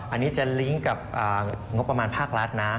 อันนี้จะลิงก์กับงบประมาณภาครัฐนะ